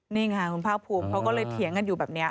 นี่ค่ะคุณภาคภูมิเขาก็เลยเถียงกันอยู่แบบนี้